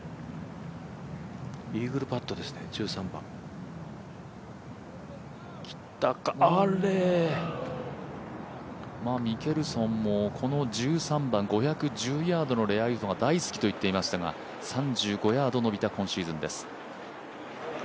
イーグルパットですね、１３番ミケルソンもこの１３番、５１０ヤードが大好きといっていましたが３５ヤードのびた、今シーズンです。